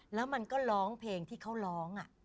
แล้วมันก็ร้องเพลงที่เขาร้อง